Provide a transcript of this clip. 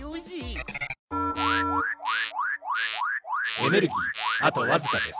エネルギーあとわずかです。